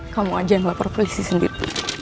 kamu aja yang melapor polisi sendiri